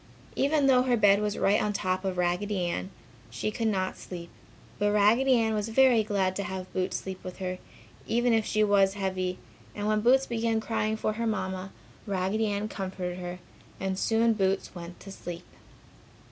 Even though her bed was right on top of Raggedy Ann, she could not sleep. But Raggedy Ann was very glad to have Boots sleep with her, even if she was heavy, and when Boots began crying for her Mamma, Raggedy Ann comforted her and soon Boots went to sleep.